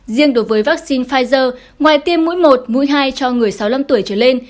riêng đối với vaccine pfizer ngoài tiêm mũi một mũi hai cho người sáu mươi năm tuổi trở lên